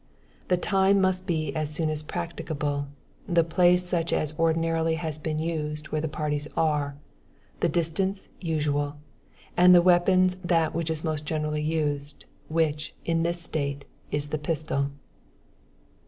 The time must e as soon as practicable, the place such as had ordinarily been used where the parties are, the distance usual, and the weapons that which is most generally used, which, in this State, is the pistol.